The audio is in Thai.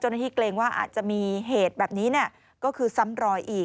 เกรงว่าอาจจะมีเหตุแบบนี้ก็คือซ้ำรอยอีก